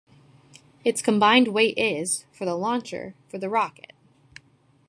Its combined weight is - for the launcher, for the rocket.